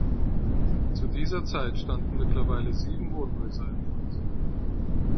Zu dieser Zeit standen mittlerweile sieben Wohnhäuser im Ort.